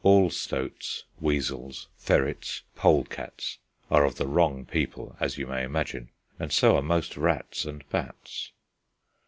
All stoats, weasels, ferrets, polecats, are of the wrong people, as you may imagine, and so are most rats and bats.